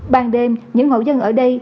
ban đêm những hậu dân ở đây